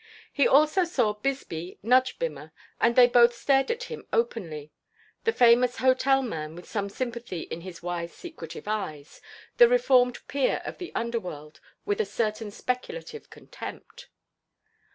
He also saw Bisbee nudge Bimmer, and they both stared at him openly, the famous hotel man with some sympathy in his wise secretive eyes, the reformed peer of the underworld with a certain speculative contempt.